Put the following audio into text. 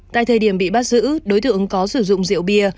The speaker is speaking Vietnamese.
tại thời điểm bị bắt giữ đối tượng có sử dụng rượu bia